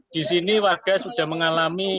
di sini warga sudah mengalami